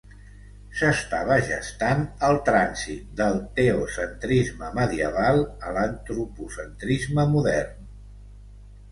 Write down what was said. S'estava gestant el trànsit del teocentrisme medieval a l'antropocentrisme modern.